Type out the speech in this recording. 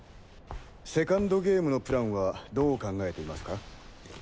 セカンドゲームのプランはどう考えていますか？